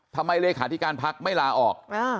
ทำไมเลขาธิการพักษ์ไม่ลาออก